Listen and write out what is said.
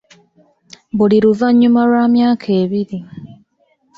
Buli luvannyma lwa myaka ebiri.